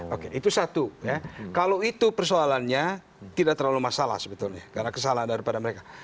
oke itu satu ya kalau itu persoalannya tidak terlalu masalah sebetulnya karena kesalahan daripada mereka